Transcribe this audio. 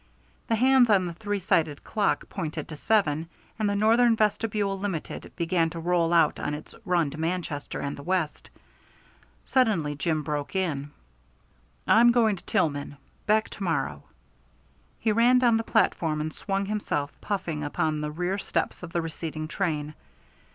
The hands on the three sided clock pointed to seven, and the Northern Vestibule Limited began to roll out on its run to Manchester and the West. Suddenly Jim broke in: "I'm going to Tillman. Back to morrow." He ran down the platform and swung himself, puffing, upon the rear steps of the receding train.